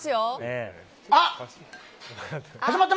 あっ！